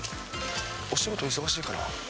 お仕事忙しいかな？